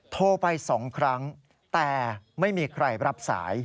โทรไป๒ครั้งแต่ไม่มีใครรับสาย